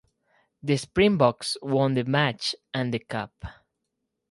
The Springboks won the match and the Cup.